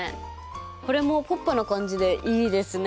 これもポップな感じでいいですね。